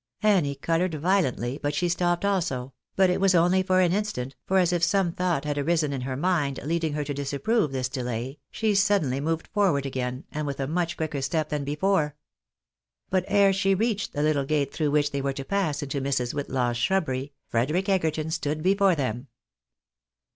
Annie coloured violently, but she stopped also, but it was only for an instant, for as if some thought had arisen in her mind leading her to disapprove this delay, she suddenly moved forward again, and with a much quicker step than before. But ere she reached the little gate through which they were to pass into Mrs. Whitlaw's shrubbery, Frederic Egerton stood before them.